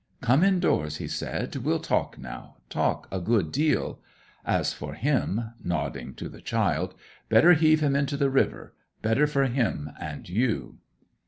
'Come indoors,' he said. 'We'll talk now talk a good deal. As for him [nodding to the child], better heave him into the river; better for him and you!'